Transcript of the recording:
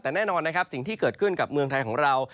แต่แน่นอนนะครับสิ่งที่เกิดขึ้นกับเมืองไทยของเรา